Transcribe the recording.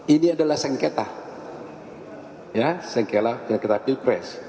ini adalah sengketa ya sengkela sengketa pilpres